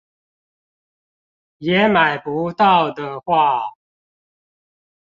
也買不到的話